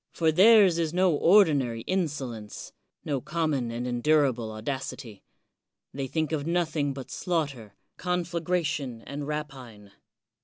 For theirs is no ordinary insolence, — ^no common and endurable audacity. They think of nothing but slaughter, conflagration and 118 CICERO rapine.